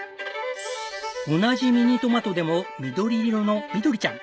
同じミニトマトでも緑色のミドリちゃん。